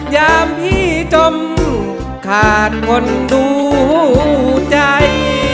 ยามพี่จมขาดคนดูใจ